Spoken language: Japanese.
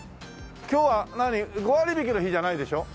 今日は何５割引の日じゃないでしょ？